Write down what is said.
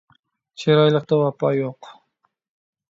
چىرايلىقتا ۋاپا يوق